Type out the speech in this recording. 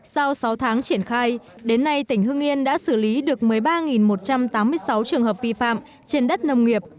sau sáu tháng triển khai đến nay tỉnh hưng yên đã xử lý được một mươi ba một trăm tám mươi sáu trường hợp vi phạm trên đất nông nghiệp